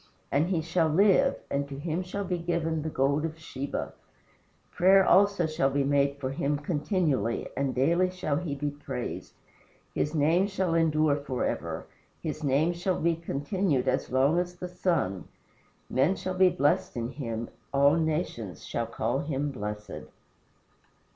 And he shall live, and to him shall be given the gold of Sheba. Prayer also shall be made for him continually, and daily shall he be praised. His name shall endure forever. His name shall be continued as long as the sun. Men shall be blessed in him. All nations shall call him blessed."